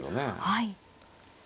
はい。